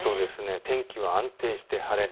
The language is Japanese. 天気は安定して晴れ。